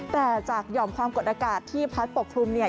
แต่จากหย่อมความกดอากาศที่พัดปกคลุมเนี่ย